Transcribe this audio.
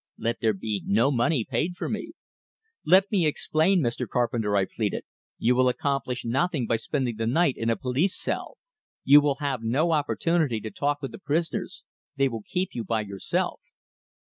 Let there be no money paid for me." "Let me explain, Mr. Carpenter," I pleaded. "You will accomplish nothing by spending the night in a police cell. You will have no opportunity to talk with the prisoners. They will keep you by yourself."